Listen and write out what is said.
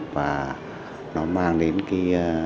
và nó mang đến cái